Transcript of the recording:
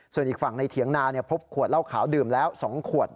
ส่วนอีกฝั่งในเถียงนาพบขวดเหล้าขาวดื่มแล้ว๒ขวด